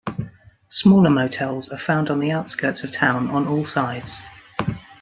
Smaller motels are found on the outskirts of town on all sides.